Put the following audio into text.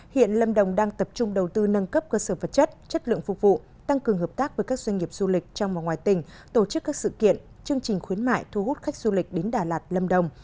hiện lâm đồng đang tập trung đầu tư nâng cấp cơ sở vật chất chất lượng phục vụ tăng cường hợp tác với các doanh nghiệp du lịch trong và ngoài tỉnh tổ chức các sự kiện chương trình khuyến mại thu hút khách du lịch đến đà lạt lâm đồng